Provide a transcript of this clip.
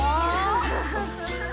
フフフフフ。